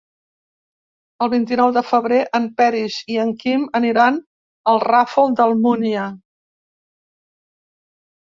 El vint-i-nou de febrer en Peris i en Quim aniran al Ràfol d'Almúnia.